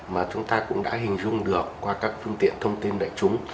mà chúng ta cũng đã hình dung được qua các phương tiện thông tin đại chúng